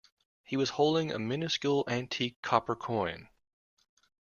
He was holding a a minuscule antique copper coin.